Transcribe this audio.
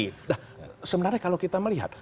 nah sebenarnya kalau kita melihat